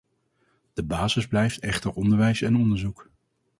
De basis blijft echter onderwijs en onderzoek.